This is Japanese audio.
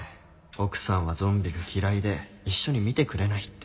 奥さんはゾンビが嫌いで一緒に見てくれないって。